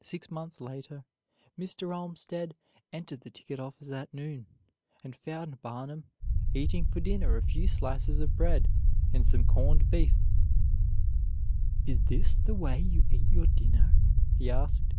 Six months later Mr. Olmstead entered the ticket office at noon, and found Barnum eating for dinner a few slices of bread and some corned beef. "Is this the way you eat your dinner?" he asked.